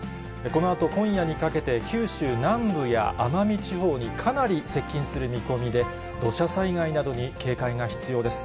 このあと今夜にかけて、九州南部や奄美地方にかなり接近する見込みで、土砂災害などに警戒が必要です。